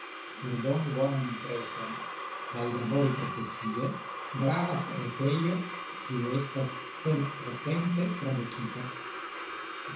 Por doni bonan impreson kaj labori profesie, gravas retejo kiu estas centprocente tradukita.